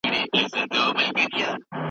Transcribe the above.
څه شی د سفارت امنیت تضمینوي؟